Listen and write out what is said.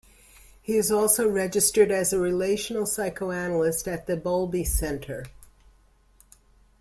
He is also registered as a Relational Psychoanalyst at the Bowlby Centre.